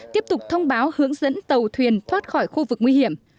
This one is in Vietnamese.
tiếp tục thông báo hướng dẫn tàu thuyền thoát khỏi khu vực nguy hiểm